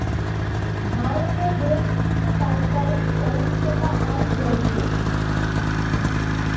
ভারতে বেশ কিছু পারিবারিক সহিংসতা আইন রয়েছে।